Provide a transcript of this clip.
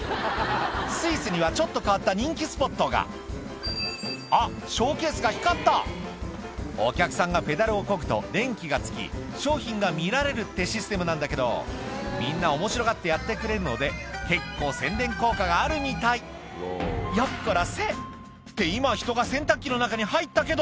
スイスにはちょっと変わった人気スポットがあっショーケースが光ったお客さんがペダルをこぐと電気がつき商品が見られるってシステムなんだけどみんな面白がってやってくれるので結構宣伝効果があるみたい「よっこらせ」って今人が洗濯機の中に入ったけど！